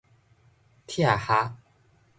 拆箬